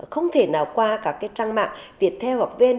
không thể nào qua các trang cá nhân không thể nào qua các trang cá nhân